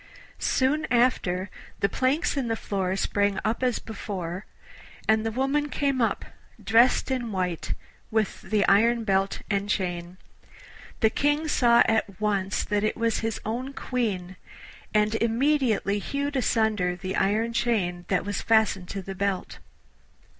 Soon after the planks in the floor sprang up as before, and the woman came up, dressed in white, with the iron belt and chain. The King saw at once that it was his own Queen, and immediately hewed asunder the iron chain that was fastened to the belt.